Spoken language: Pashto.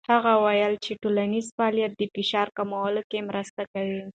هغه وویل چې ټولنیز فعالیت د فشار کمولو کې مرسته کوي.